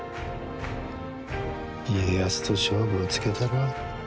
家康と勝負をつけたるわ。